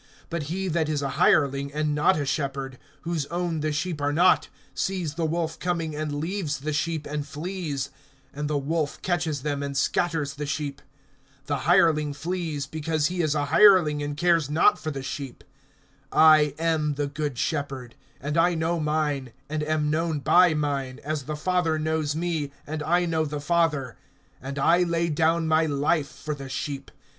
(12)But he that is a hireling, and not a shepherd, whose own the sheep are not, sees the wolf coming, and leaves the sheep, and flees; and the wolf catches them, and scatters the sheep. (13)The hireling flees, because he is a hireling, and cares not for the sheep. (14)I am the good shepherd; and I know mine, and am known by mine, (15)as the Father knows me, and I know the Father; and I lay down my life for the sheep.